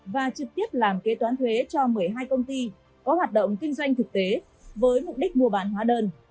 và trực tiếp làm kế toán thuế cho một mươi hai công ty có hoạt động kinh doanh thực tế với mục đích mua bán hóa đơn